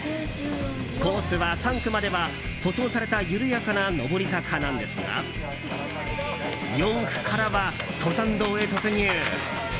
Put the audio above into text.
コースは３区までは、舗装された緩やかな上り坂なんですが４区からは登山道へ突入。